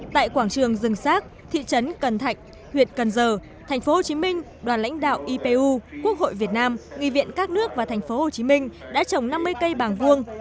tại quảng trường rừng xác thị trấn cần thạnh huyện cần giờ thành phố hồ chí minh đoàn lãnh đạo ipu quốc hội việt nam nghị viện các nước và thành phố hồ chí minh đã trồng năm mươi cây bảng vuông